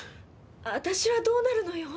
私はどうなるのよ？